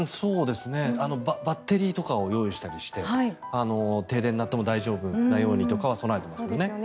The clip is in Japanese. バッテリーとかを用意したりとかして停電になっても大丈夫なようにとかは備えてますけどね。